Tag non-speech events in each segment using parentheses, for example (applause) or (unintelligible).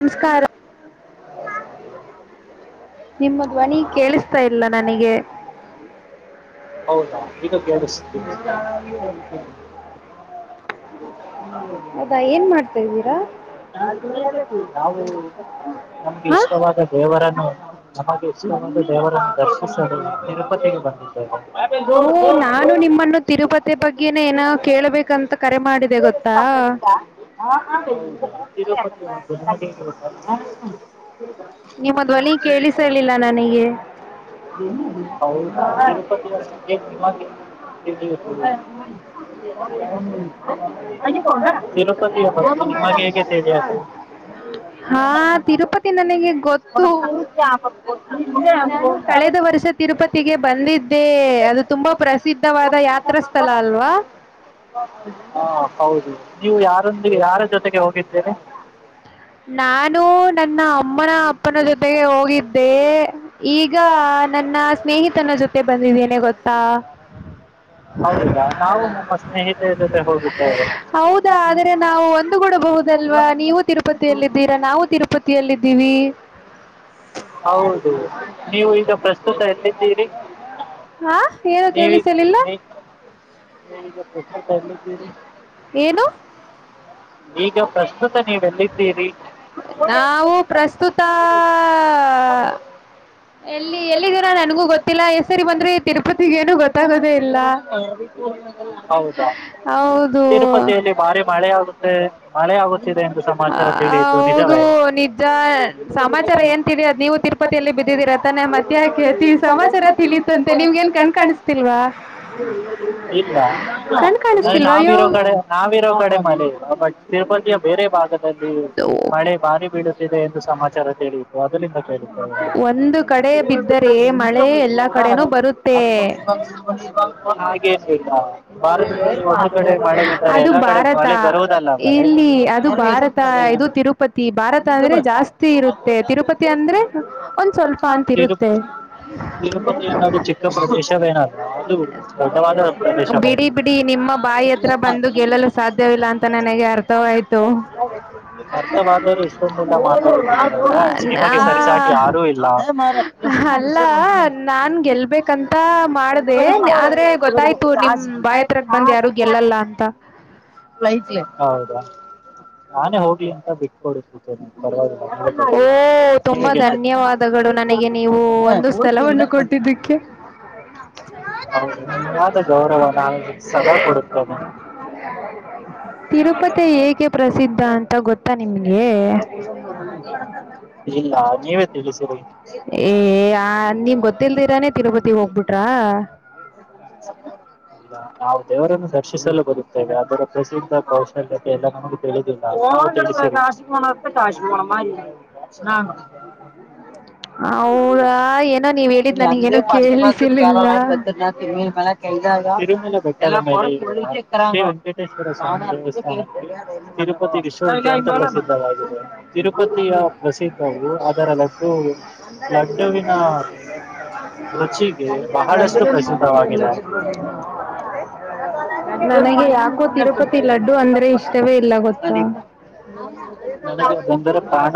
ನಮಸ್ಕಾರ ನಿಮ್ಮ ಧ್ವನಿ ಕೇಳಿಸ್ತಾ ಇಲ್ಲ ನನಗೆ ಹೌದಾ ಈಗ (inaudible) ಸ (inaudible) ನಾವು ನಮ್ಗೆ ಇಷ್ಟವಾದ ದೇವರನ್ನು ನಮಗೆ ಇಷ್ಟವಾದ ದೇವರನ್ನು ದರ್ಶಿಸಲು ತಿರುಪತಿಗೆ ಬಂದಿದ್ದೇವೆ ನಾನು ನಿಮ್ಮನ್ನು ತಿರುಪತಿ ಬಗ್ಗೆನೆ ಏನ ಕೇಳ ಬೇಕಂತ ಕರೆ ಮಾಡಿದೆ (unintelligible) ಎ ಹೌದ ತಿರುಪತಿ ದಮ ಹಾ ತಿರುಪತಿ ನನಗೆ ಗೊತ್ತು ನಾನು ಕಳೆದ ವರ್ಷ ತಿರುಪತಿಗೆ ಬಂದಿದ್ದೆ ಅದು ತುಂಬಾ ಪ್ರಸಿದ್ಧವಾದ ಯಾತ್ರಾ ಸ್ಥಳ ಅಲ್ವಾ ಹೌದು ನೀವು ಯಾರ ನಾನು ನನ್ನ ಅಮ್ಮನ ಅಪ್ಪನ ಜೊತೆಗೆ ಹೋಗಿದ್ದೆ ಈಗ ನನ್ನ ಸ್ನೇಹಿತನ ಜೊತೆ ಬಂದಿದ್ದೇನೆ ಗೊತ್ತ ಸತ್ತ ಹೌದಾ ನಾವು ನಮ್ಮ ಸ್ನೇಹಿತೆಯ ಜೊತೆ ಹೋಗಿದ್ದೇವೆ ನಾವು ಒಂದು ಕೊೂಡಬಹುದಲ್ವಾ ನೀವು ತಿರುಪತಿಯಲ್ಲಿದ್ದೀರಾ ನಾವು ತಿರುಪತಿಯಲ್ಲಿದ್ದೀವಿ ಹಾ ಏನ ಕೇಳಿಸಲಿಲ್ಲ (inaudible) ನಾವು ಪ್ರಸ್ತುತ ಹೌದಾ ತಿರುಪತಿಯಲ್ಲಿ ಭಾರಿ ಮಳೆ ಆಾಗುತ್ತೆ (unintelligible) ಹ ಹೌದು ನಿಜ ಸಮಾಚಾರ ಏನ್ ತಿಳಿಯದು ನೀವು ತಿರುಪತಿಯಲ್ಲಿ ಬಿದ್ದ ಇಲ್ಲ ನಾವಿರೋ ಕಡೆ ನಾವಿರೋ ಕಡೆ ಮ (inaudible) (unintelligible) ಬಟ್ ತಿರುಪತಿಯ ಬೇರೆ ಭಾಗದಲ್ಲಿ ಮಳೆ ಭಾರಿ ಬೀಳುತ್ತಿದೆ ಎಂದು ಸಮಾಚಾರ ತಿಳಿಯಿತು ಅದರಿಂದ ಕೇಳಿದ್ದ ಹಾಗೇಗ ಭಾರತದಲ್ಲಿ ಒಂದು ಕಡೆ ಮಾಡೇ ಬಿಾರೆ ಎಲ್ಲಾ ಕಡೆ ಬಹಳೆ ಗರ್ವ (inaudible) ಇಲ್ಲಿ ಅದು ಭಾರತ ಇದು ತಿರುಪತಿ ಭಾರತ ಅಂದ್ರೆ ಜಾಸ್ತಿ ಇರುತ್ತೆ ತಿರುಪತಿ ಅಂದ್ರೆ ತಿರುಪತಿ ತಿರುಪತಿ ಅನ್ನೋದು ಚಿಕ್ಕ ಪ್ರದೇಶವೇನಲ್ಲ ಅದು ದೊಡ್ಡವಾದ ಪ್ರದೇಶವದೆ ಅರ್ಥವಾದವರು ಇಷ್ಟೊಂದಿಲ್ಲ ಮಾತಾ ನಿಮಗೆ ಸರಿಸಾಾಗಿ ಆ ಟ್ ಹೌದಾ ನಾನೇ ಹೋಗ್ಲಿ ಅಂತ ಬಿಟ್ಕೊಡು ಟೀಚರ್ ಬ ಹೌದು ನಿನ ಆದ ಗೌರವ ನಾನು ಸದಾ ಕೊಡುತ್ತೇನೆ ತಿರುಪತಿ ಏಕೆ ಪ್ರಸಿದ್ಧ ಅಂತ ಗೊತ್ತಾ ನಿಮಗೆ ಏ ಆ ನೀಮ್ ಗೊತ್ತಿಲ್ದಿರಾನೇ ತಿರುಪತಿ ಹೋಗ್ಬಿಟ್ರ ದೇವರನ್ನು ದರ್ಶಿಸಲು ಬರುತ್ತೇವೆ ಆದದರ ಪ್ರಸಿದ್ಧ (inaudible) ಶಿಶಿ ಅ ಪ ಕೇರ ಬ ತಿಮಿನ ಮೇಲೆ ಕೈದ (inaudible) (unintelligible) (inaudible) (inaudible) ನನಗೆ ಯಾಕೋ ತಿರುಪತಿ ಲಡ್ಡು ಲಡ್ಡುಅಂದ್ರೆ ಇಷ್ಟವೇ ಇಲ್ಲ ಗೊತ್ತೆ ಬಂದ ಪ್ರಾಣ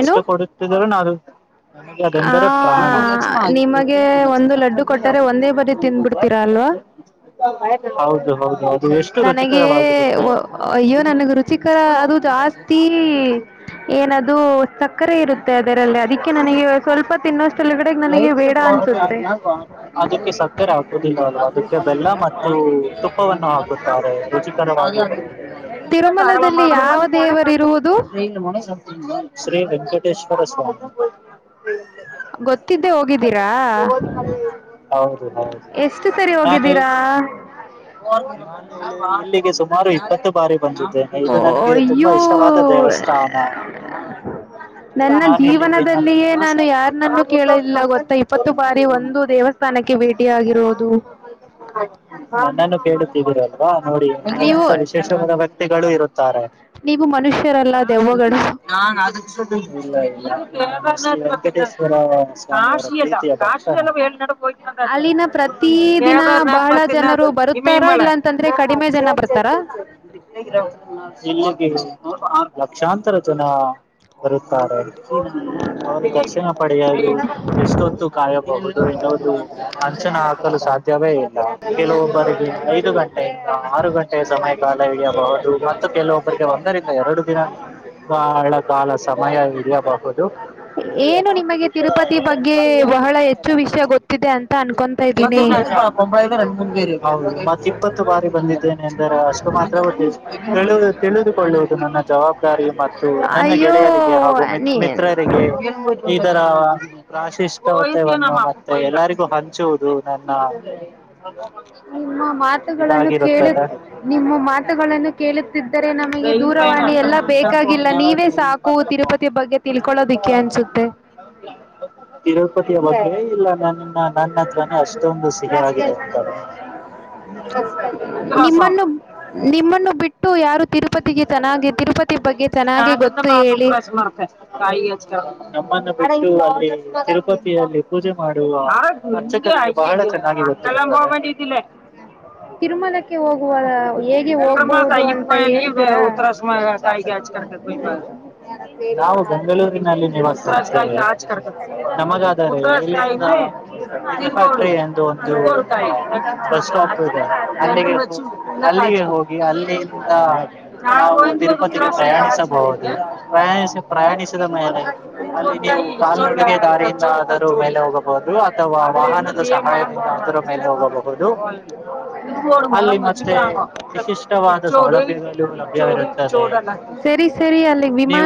ಎಷ್ಟು ಕೊಡುತ್ತಿದರ ನಾು ನಮಗೆ ಬೆಂಬಲ ಪ್ರಾಣ (inaudible) ನನಗೆ ಅಯ್ಯೋ ನನಗ್ ರುಚಿಕರ ಅದು ಜಾಸ್ತಿ ಏನದು ಸಕ್ಕರೆ ಇರುತ್ತೆ ಅದರಲ್ಲಿ ಅದಕ್ಕೆ ನನಗೆ ಸ್ವಲ್ಪ ತಿನ್ನೋಷ್ಟೆಲುಗಡೆಗೆ ನನಗೆ ಬೇಡ ಅನ್ಸುತ್ತೆ (inaudible) ರುಚಿಕರವಾದ ಅಡಿಗೆ ವಂಕಟೇಶ್ವರ ಸಾ ಗೊತ್ತಿದ್ದೆ ಹೋಗಿದ್ದೀರಾ ಎಷ್ಟ್ ಸರಿ ಹೋಗಿದ್ದೀರಾ ಓ ಅಯ್ಯೂ ನನ್ನ ಜೀವನದಲ್ಲಿಯೇ ನಾನು ಯಾರ ನ್ನನ್ನು ಕೇಳಲಿಲ್ಲ ಗೊತ್ತಾ ಇಪ್ಪತ್ತು ಬಾರಿ ಒಂದು ದೇವಸ್ಥಾನಕ್ಕೆ ಭೇಟಿಯಾಗಿರೋದು ಇವರ ನೋಡಿಂತ ವಿಶೇಷವಾದ ವ್ಯಕ್ತಿಗಳು ಇರು ನಾರ ನಾ ನ ಬ ಕಾಶ (unintelligible) (unintelligible) ಳ್ ನಡ ಹತನ ಕೇ್ರನಾಥ ಮತ್ತನಾಥ ಹಿಮ ಹಿಮಳ ಹ ಚನ್ ಚ ಲಕ್ಷಾಂತರ ಜನಾ ಬರುತ್ತಾರೆ ಅವರು ದರ್ಶನ ಪಡೆಯಲು ಎಷ್ಟೊತ್ತು ಕಾಯಬಹುದು ಇನ್ನುವುದು ಅಂಚನ ಹಾಕಲು ಸಾಧ್ಯವೇ ಇ ಕೆಲವೊಬ್ಬರಿಗೆ ಐದು ಗಂಟೆ ಏನು ನಿಮಗೆ ತಿರುಪತಿ ಬಗ್ಗೆ ಬಹಳ ಹೆಚ್ಚು ವಿಷಯ ಗೊತ್ತಿದೆ ಅಂತ ಅನ್ಕೊತಾ ಇದ್ದೀನಿ ಹ್ಮ್ (inaudible) ಇಪ್ಪತ್ತು ಬಾರಿ ಬಂದಿದ್ದೇನೆ ಎಂದರೆ ಅಷ್ಟು ಮಾತ್ರ ತಿ ತಿಳಿದುಕೊಳ್ಳುವುದು ನನ್ನ ಜವಾಬ್ದಾರಿ ಮತ್ತು ನನ್ನ ಗೆಳೆಯರಿಗೆ ಹಾಗೂ ಮಿ ಮಿತ್ರರಿಗೆ ಇದರ ಪ್ರಾಶಿಷ್ಟತೆವನ್ನು ಮತ್ತೆ ಎಲ್ಲರಿಗೂ ಹಂಚುವುದು ನನ್ನ ಹೌದ (inaudible) ಇದಾಗಿರುತ್ತೆದ ತಿರುಪತಿ ಇಲ್ಲ ನ ಇವಾಗ ಕುಕ್ರಾಾಸ ನಾನುಿಂದ ಮಾ ಕುಕರಾಸಮತೇ ಕಾಯಿಮ್ಮ ತಿಯಲ್ಲಿ ಪೂಜೆ ಿಲ್ಲ ತಿರುಮಲಕ್ಕೆ ಹೋಗುವ ಹೇಗೆ ಹೋಗ್ಬಹುದು ಅಂತ ಹೇಳ್ತೀರಾ ಹ ಅಲ್ಲಿಗೆ ಅಲ್ಲಿಗೆ ಹೋಗಿ ಅಲ್ಲಿಂದ ನಾವು ತಿರುಪತಿಗೆ ಪ್ರಯಾಣಿಸಬಹುದು ಪ್ರಯಾಣ ಪ್ರಯಾಣಿಸಿದ ಮೇಲೆ ಅಲ್ಲಿ ನೀವು ಕಾಲು ಅಡುಗೆ ದಾರಿಯಿಂದಾದರೂ ಮೇಲೆ ಹೋಗಬ ಹ ಅಥವಾ ವಾಹನದ ಸಹಾಯದಿಂದ ಅದರ ಮೇಲೆ ಹೋಗಬಹುದು ಮೆ ವಿಶಿಷ್ಟವಾದ ಸೌಲಭ್ಯಗಳು ಲಭ್ಯವಿರುತ್ತವು ತಿ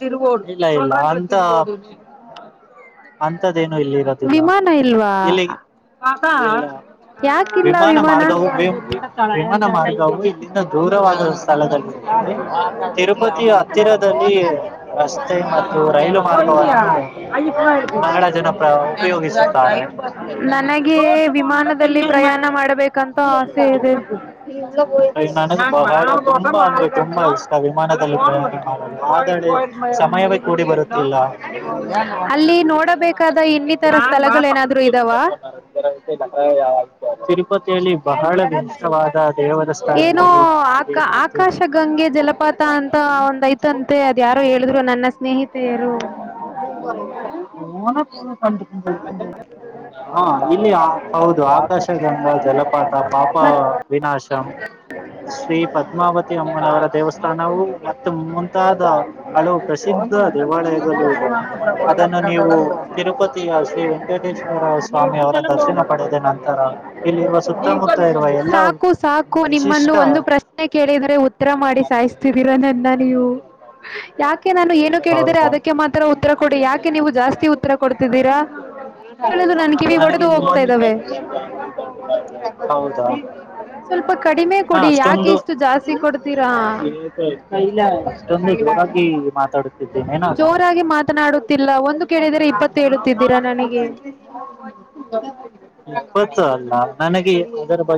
ತಿ ಇಲ್ಲ ಇಲ್ಲ ಅಂತ ವಿಮಾನ ಇಲ್ವಾ ಯಾಕಿಲ್ಲ ವಿಮಾನ ನನಗೆ ನನ ಅಂದ್ರೆ ತುಂಬಾ ಇಷ್ಟ ವಿಮಾನದಲ್ಲಿ ಮಾಡುದು ಆದರೆ ಸಮಯವೇ ಕೂಡಿ ಬರುತ್ತಿಲ್ಲ ಅಲ್ಲಿ ನೋಡಬೇಕಾದ ಇನ್ನಿತರ ಸ್ಥಳಗಳು ಏನಾದ್ರು ಇದಾವ ಪತಿಯಲ್ಲಿ ಬಹಳ ವಿಶಿಷ್ಟವಾದ ದೇವದ ಸ್ಥಾನ ಹ್ಮ ಕ ಹ ಇಲ್ಲಿ ಹೌದು ಆಕಾಶಗಂಗಾ ಜಲಪಾತ ಪಾಪ ವಿನಾಶಂ ಶ್ರೀ ಪದ್ಮಾವತಿ ಅಮ್ಮನವರ ದೇವಸ್ಥಾನವು ಮತ್ತು ಮುಂತಾದ ಹಲವು ಪ್ರಸಿದ್ಧ ದೇವಾಲಯಗಳು ಇದೆ ಅದನ್ನು ನೀವು ತಿರುಪತಿ ಶ್ರ ವೆಂಕಟೇಶ್ವರ ಸ್ವಾಮಿ ಸಾಕು ಸಾಕು ನಿಮ್ಮನ್ನು ಒಂದು ಪ್ರಶ್ನೆ ಕೇಳಿದರೆ ಉತ್ತರ ಮಾಡಿ ಸಾಯ್ತಿದ್ದೀರಾ ನನ್ನ ನೀವು ಯಾಕೆ ನಾನು ಏನು ಕೇಳಿದರೆ ಅದಕ್ಕೆ ಮಾತ್ರ ಉತ್ತರ ಕೊಡಿ ಯಾಕೆ ನೀವು ಜಾಸ್ತಿ ಉತ್ತರ ಕೊಡ್ತಿದ್ದೀರಾ ನನಗೆ ಹೌದಾ ಹ ಅಷ್ಟೊಂದು ಅಷ್ಟೊಂದುವಾಗಿ ಮಾತಾಡುತ್ತಿದ್ದೇನೆನ ಹ ಗೊತ್ತ ಅಲ್ಲ ನನ ಉದ ಬ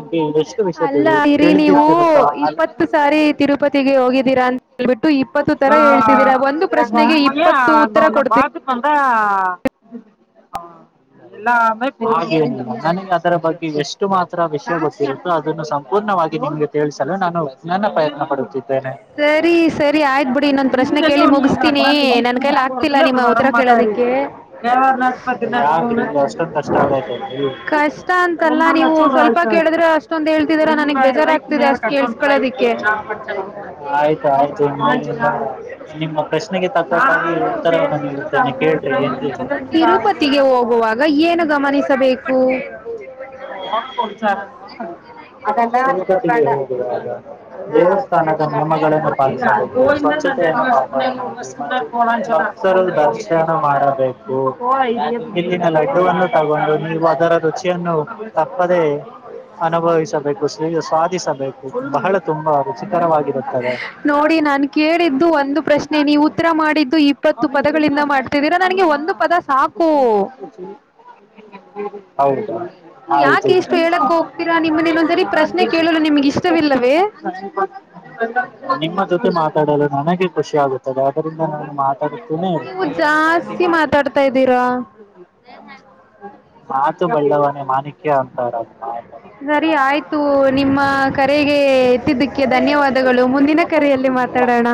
ಅಲ್ಲ ಇರಿ ನೀವು ಇಪ್ಪತ್ತು ಸಾರಿ ತಿರುಪತಿಗೆ ಹೋಗಿದ್ದೀರಾ ಅಂತೇಳ್ಬಿಟ್ಟು ಇಪ್ಪತ್ತು ತರ ಹೇಳ್ತಿದ್ದೀರಾ ಒಂದು ಪ್ರಶ್ನೆಗೆ ಇಪ್ಪತ್ತು ಉತ್ತರ ಕೊಡ್ತೀ ಹಾ ಹ ಇಲ್ಲಾ ಸರಿ ಸರಿ ಆಯ್ತ್ು ಬಿಿಡಿ ಇನ್ನೊಂದು ಪ್ರಶ್ನೆ ಕೇಳಿ ಮುಗಸ್ತೀನಿ ನನ್ ಕೈಲಿ ಆಗ್ತಿಲ್ಲ ನಿಮ್ಮ ಉತ್ತರ ಕೇಳದಿಕ್ಕೆ ಅಷ್ಟೊಂದು ಕಷ್ಟ ಆಗೈಲ್ರಿ ್್ತ ನಿಮ್ಮ ಪ್ರಶ್ನೆಗೆ ತಕ್ಕ ಉತ್ತರ ನೀ ಕ ಈಗ ಏನು ಗಮನಿಸಬೇಕು ಗ ಹುವ ದೇವಸ್ಥಾನದ ನಿಯಮಗಳನ್ನು ಪಾಲಿಸಬೇಕು ಸ್ವಚ್ತೆಯ ಭಕ್ತರು ದರ್ಶನ ಮಾಡಬೇಕು ಇಲ್ಲಿನ ಹೂ ಅಂದು ತಗೊಂಡನು ನೋಡಿ ನಾನು ಕೇಳಿದ್ದು ಒಂದು ಪ್ರಶ್ನೆ ನೀವು ಉತ್ತರ ಮಾಡಿದ್ದು ಇಪ್ಪತ್ತು ಪದಗಳಿಂದ ಮಾಡ್ತದ್ದೀರಾ ನನಗೆ ಒಂದು ಪದ ಸಾಕು ಹ ಹ್ ಹೌದು ಆಯ್ತ ನಿಮ್ಮ ಜೊತೆ ಮಾತಾಡಲು ನನಗೆ ಖುಷಿ ಆಗುತ್ತದೆ ಆದದರಿಂದ ನಾನು ಮಾತಾಡುತ್ತ ನೆ ಇರುತೆನೆ ಹ್ ಹ್ ಸರಿ ಆಯ್ತು ನಿಮ್ಮ ಕರೆಗೆ ಎತ್ತಿದ್ದಕ್ಕೆ ಧನ್ಯವಾದಗಳು ಮುಂದಿನ ಕರೆಯಲ್ಲಿ ಮಾತಾಡೋಣ